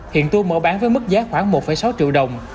hiện tour mở bán với mức giá khoảng một sáu triệu đồng